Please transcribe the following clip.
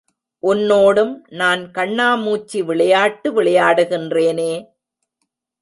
உன்னோடும் நான் கண்ணா மூச்சி விளையாட்டு விளையாடுகின்றேனே!